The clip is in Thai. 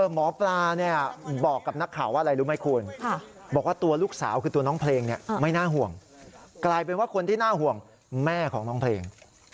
หมอปลาบอกกับนักข่าวว่าอะไรรู้ไหมคุณบอกว่าตัวลูกสาวคือตัวน้องเพลงไม่น่าห่วงกลายเป็นว่าคนที่น่าห่วงแม่ของน้องเพลง